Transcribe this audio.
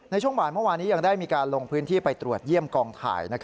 ในช่วงบ่ายเมื่อวานนี้ยังได้มีการลงพื้นที่ไปตรวจเยี่ยมกองถ่าย